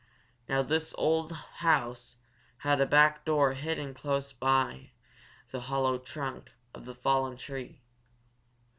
Now this old house had a back door hidden close beside the hollow trunk of a fallen tree.